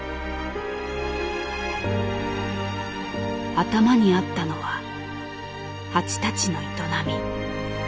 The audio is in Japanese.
頭にあったのは蜂たちの営み。